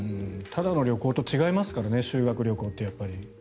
ただの旅行と違いますからね、修学旅行って。